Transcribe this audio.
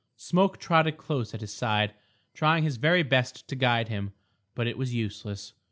Smoke trotted close at his side, trying his very best to guide him. But it was useless.